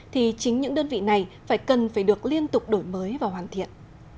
thì chính những đơn vị này phải cần phải được liên tục đổi mới và hoàn thiện